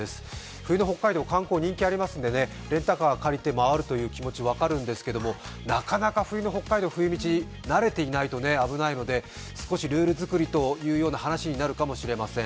冬の北海道、観光、人気ありますのでね、レンタカー借りて回るという気持ちは分かるんですけど、なかなか冬の北海道冬道、慣れていないと危ないので、少しルール作りという話になるかもしれません。